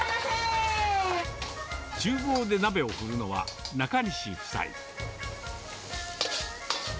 ちゅう房で鍋を振るのは、中西夫妻。